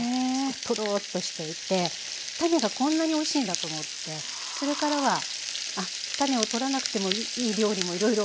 とろっとしていて種がこんなにおいしいんだと思ってそれからはあっ種を取らなくてもいい料理もいろいろやってみようと。